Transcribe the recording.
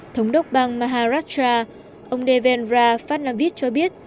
thống đốc bang maharashtra ông devenra phanavit cho biết